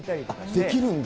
できるんだ。